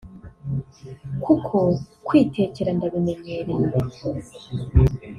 kuko kwitekera ndabimenyereye